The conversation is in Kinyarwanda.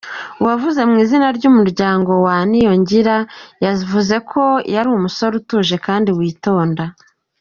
Uwavuze mu izina ry’umuryango wa Niyongira yavuze ko yari umusore utuje kandi witonda.